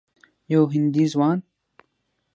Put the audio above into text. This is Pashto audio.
یو هندي ځوان